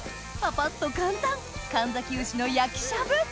ぱぱっと簡単門崎丑の焼きしゃぶ